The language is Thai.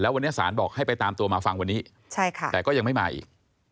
วันนี้ศาลบอกให้ไปตามตัวมาฟังวันนี้แต่ก็ยังไม่มาอีก